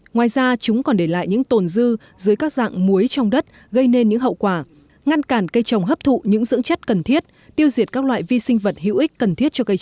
ngoài ra chúng còn để lại những tồn dư dưới các dạng muối trong đất gây nên những hậu quả ngăn cản cây trồng hấp thụ những dưỡng chất cần thiết tiêu diệt các loại vi sinh vật hữu ích cần thiết cho cây trồng